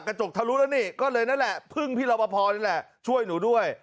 กระจกทะลุแล้วนี่ก็เลยนั่นแหละพึ่งพี่รอปภนี่แหละช่วยหนูด้วย